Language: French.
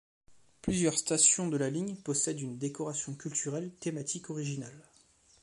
Plusieurs stations de la ligne possèdent une décoration culturelle thématique originale.